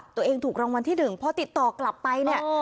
ตัวเองถูกรางวัลที่๑พอติดต่อกลับไปเนี่ย